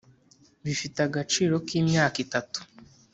Bifite agacio kimyaka itatu .